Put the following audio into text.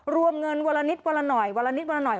รวมเงินวัลนิดวัลน่อยวัลนิดวัลน่อย